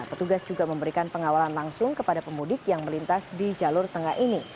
petugas juga memberikan pengawalan langsung kepada pemudik yang melintas di jalur tengah ini